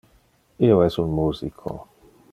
Io es un musico.